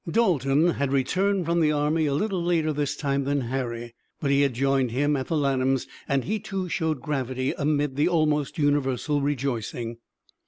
Dalton had returned from the army a little later this time than Harry, but he had joined him at the Lanhams', and he too showed gravity amid the almost universal rejoicing.